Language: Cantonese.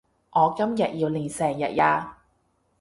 我今日要練成日呀